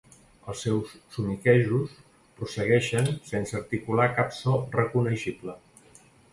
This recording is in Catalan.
Els seus somiquejos prossegueixen sense articular cap so reconeixible.